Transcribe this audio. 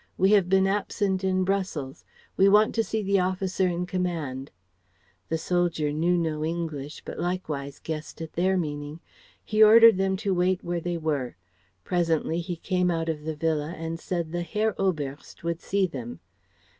We have been absent in Brussels. We want to see the officer in command." The soldier knew no English, but likewise guessed at their meaning. He ordered them to wait where they were. Presently he came out of the Villa and said the Herr Oberst would see them.